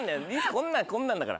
こんなんこんなんだから。